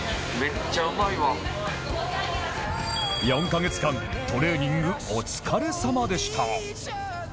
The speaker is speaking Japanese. ４カ月間トレーニングお疲れさまでした